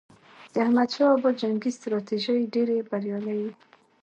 د احمد شاه بابا جنګي ستراتیژۍ ډېرې بریالي وي.